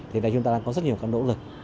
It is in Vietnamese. thì đây chúng ta đang có rất nhiều nỗ lực